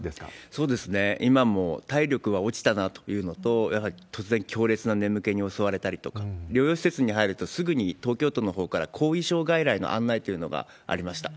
今も体力は落ちたなというのと、やはり、突然強烈な眠気に襲われたりとか、療養施設に入ると、すぐに東京都のほうから後遺症外来の案内というのがありました。